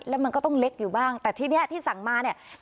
แล้วมันก็ต้องเล็กอยู่บ้างแต่ทีนี้ที่สั่งมาเนี่ย